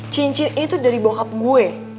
cincin itu dari bohab gue